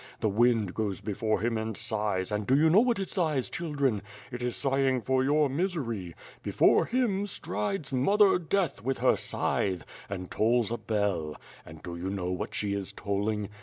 The wind goes before him and sighs, and do you know why it sighs, children? It is sighing for your misery. Before him, strides ^Mother Death,^ with her scythe, and tolls a bell; and do you know what she is tolling?